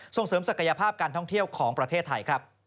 ส่งเสริมศักยภาพการท่องเที่ยวของประเทศไทยครับ